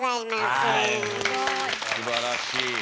すばらしい。